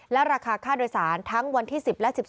และราคาค่าโดยสารทั้งวันที่๑๐และ๑๒